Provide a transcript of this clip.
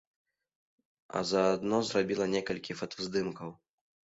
А заадно зрабіла некалькі фотаздымкаў.